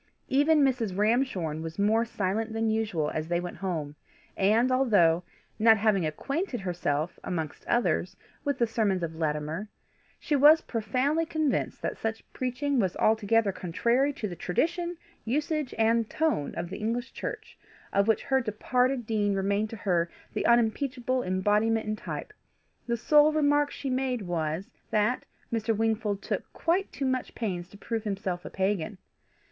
Even Mrs. Ramshorn was more silent than usual as they went home, and although not having acquainted herself, amongst others, with the sermons of Latimer she was profoundly convinced that such preaching was altogether contrary to the tradition, usage, and tone of the English Church, of which her departed dean remained to her the unimpeachable embodiment and type, the sole remark she made was, that Mr. Wingfold took quite too much pains to prove himself a pagan.